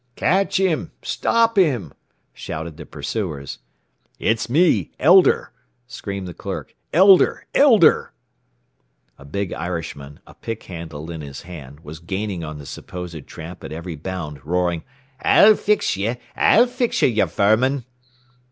"Catch him! Stop him!" shouted the pursuers. "It's me! Elder!" screamed the clerk. "Elder! Elder!" A big Irishman, a pick handle in his hand, was gaining on the supposed tramp at every bound, roaring, "I'll fix ye! I'll fix ye, ye vermin!"